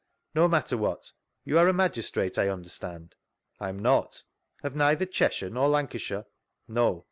No matter what. You are a magistrate, I under stand?— I am not. Of Ddther Cheshire nor Lancashire?— No.